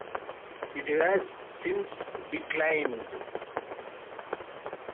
It has since declined.